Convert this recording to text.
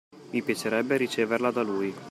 Mi piacerebbe riceverla da lui.